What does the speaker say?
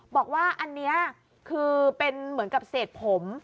บอกว่าอันนี้คือเป็นเหมือนกับเศษผม